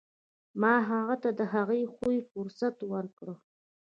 ما هغه ته د هغه د خوښې فرصت ورکړ.